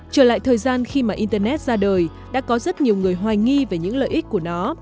trở lại thời gian khi mà internet ra đời đã có rất nhiều người hoài nghi về những lợi ích của nó